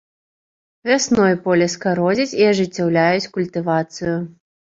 Вясной поле скародзяць і ажыццяўляюць культывацыю.